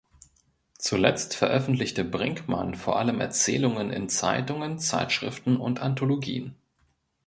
Zuletzt veröffentlichte Brinkmann vor allem Erzählungen in Zeitungen, Zeitschriften und Anthologien.